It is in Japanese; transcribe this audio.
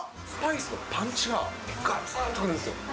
スパイスのパンチががつんとあるんですよ。